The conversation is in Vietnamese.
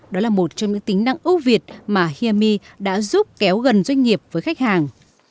đó là một trong những tính năng ưu việt mà himi đã giúp kéo gần doanh nghiệp với khách hàng